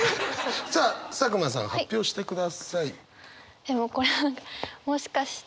さあ佐久間さん発表してください。